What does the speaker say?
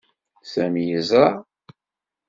Sami yeẓra.